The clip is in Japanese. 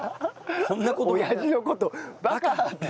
おやじの事バカって。